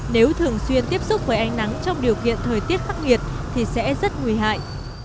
nếu thường xuyên tiếp xúc với ánh nắng trong điều kiện thời tiết khắc nghiệt thì sẽ rất nguy hại